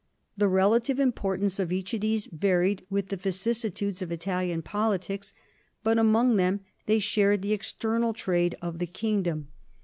The relative importance of each of these varied with the vicissitudes of Italian politics, but among them they shared the ex ternal trade of the kingdom.